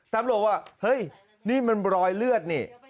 ตำรวจว่าเฮ้ยนี่มันรอยเลือดนี่